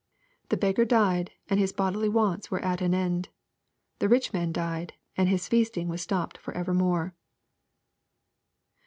" The beggar died," and his bodily wants were at an end. " The rich man died," and his feasting was stopped for evermore.